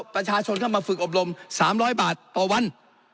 ประชาชนเข้ามาฝึกอบรม๓๐๐บาทต่อวัน